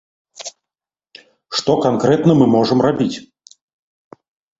Што канкрэтна мы можам рабіць?